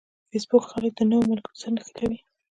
فېسبوک خلک د نوو ملګرو سره نښلوي